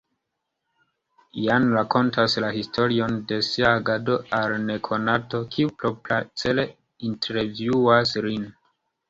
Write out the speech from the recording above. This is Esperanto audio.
Jean rakontas la historion de sia agado al nekonato, kiu propracele intervjuas lin.